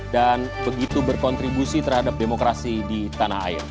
dan begitu berkontribusi terhadap demokrasi di tanah air